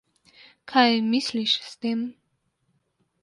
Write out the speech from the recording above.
Kaj misliš s tem?